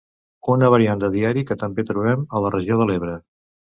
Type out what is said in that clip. Una variant de diari, que també trobem a la regió de l’Ebre.